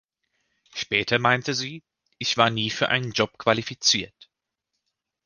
Später meinte sie: „Ich war nie für einen Job qualifiziert“.